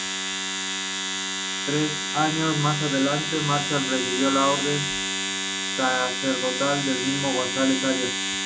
Tres años más tarde, Maciel recibió la orden sacerdotal del mismo González Arias.